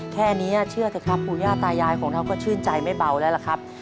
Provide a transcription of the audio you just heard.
แค่นี้เชื่อเถอะครับปู่ย่าตายายของเราก็ชื่นใจไม่เบาแล้วล่ะครับ